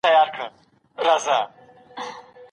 که روغتیا وي نو غیرحاضري نه کیږي.